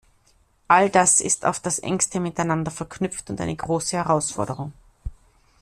All das ist auf das engste miteinander verknüpft und eine große Herausforderung.